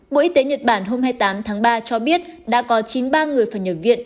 bộ y tế nhật bản hôm hai mươi tám tháng ba cho biết đã có chín ba người phải nhập viện